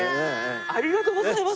ありがとうございます。